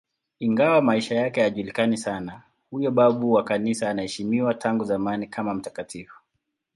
Ingawa maisha yake hayajulikani sana, huyo babu wa Kanisa anaheshimiwa tangu zamani kama mtakatifu.